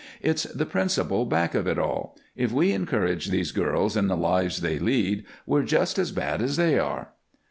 "It's the principle back of it all. If we encourage these girls in the lives they lead, we're just as bad as they are."